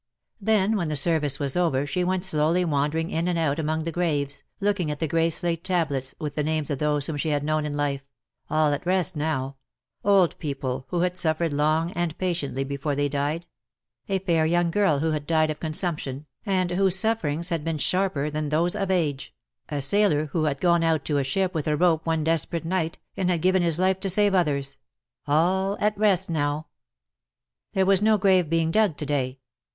Then when the service was over she went slowly wandering in and out among the graves, looking at the grey slate tablets, with the names of those whom she had known in life — all at rest now — old people who had suffered long and patiently before they died — a fair young girl who had died of con sumption, and whose sufferings had been sharper than those of age ^a sailor who had gone out to a ship with a rope one desperate night, and had given his life to save others — all at rest now. There was no grave being dug to day.